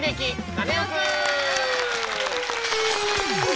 カネオくん」。